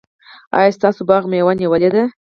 ایا ستاسو باغ مېوه نیولې ده؟